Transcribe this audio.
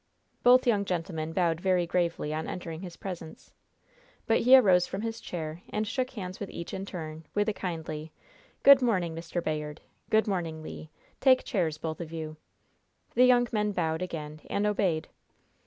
Both young gentlemen bowed very gravely on entering his presence. But he arose from his chair and shook hands with each in turn, with a kindly: "Good morning, Mr. Bayard! Good morning, Le! Take chairs, both of you." The young men bowed again, and obeyed.